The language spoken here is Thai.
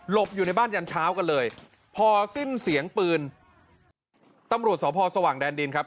อยู่ในบ้านยันเช้ากันเลยพอสิ้นเสียงปืนตำรวจสพสว่างแดนดินครับ